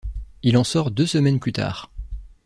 Il en sort deux semaines plus tard.